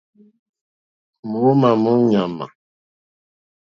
Mǒómá mó ɲàmà.